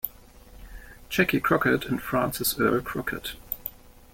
"Jackie" Crockett, and Frances Earl Crockett.